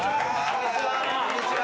こんにちは！